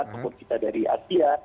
teman kita dari asia